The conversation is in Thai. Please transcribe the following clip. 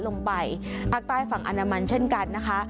ลงไปภาคใต้ฝั่งอนามันเช่นกันนะคะ